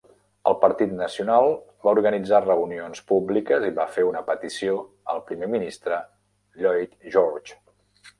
El partit nacional va organitzar reunions públiques i va fer una petició al primer ministre Lloyd George.